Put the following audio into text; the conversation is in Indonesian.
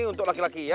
untuk laki laki ya